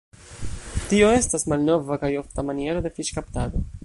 Tio estas malnova kaj ofta maniero de fiŝkaptado.